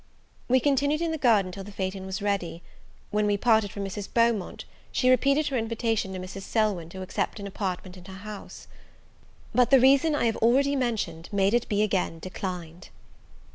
We continued in the garden till the phaeton was ready. When we parted from Mrs. Beaumont, she repeated her invitation to Mrs. Selwyn to accept an apartment in her house; but the reason I have already mentioned made it be again declined.